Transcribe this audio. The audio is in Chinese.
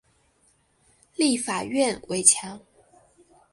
立法院围墙